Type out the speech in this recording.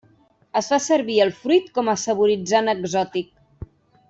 Es fa servir el fruit com a saboritzant exòtic.